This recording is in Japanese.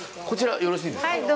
こちら、よろしいですか？